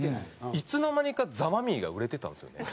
いつの間にかザ・マミィが売れてたんですよね。